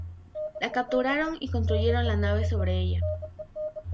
La capturaron y construyeron la nave sobre ella.